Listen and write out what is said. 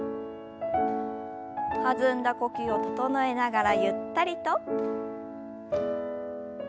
弾んだ呼吸を整えながらゆったりと。